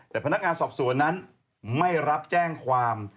แต่พนักงานสอบสวนนั้นไม่รับแจ้งความ